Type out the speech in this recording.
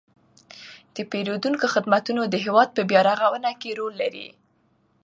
د پیرودونکو خدمتونه د هیواد په بیارغونه کې رول لري.